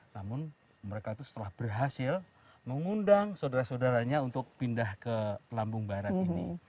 namun mereka itu setelah berhasil mengundang saudara saudaranya untuk pindah ke lambung barat ini